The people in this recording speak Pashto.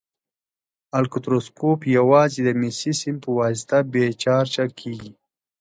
الکتروسکوپ یوازې د مسي سیم په واسطه بې چارجه کیږي.